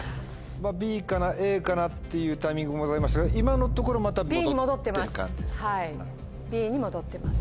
ＢかなＡかなっていうタイミングもございましたが今のところまた戻ってる感じですか。